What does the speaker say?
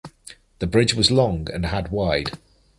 The bridge was long and had wide.